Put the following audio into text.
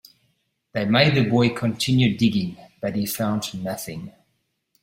They made the boy continue digging, but he found nothing.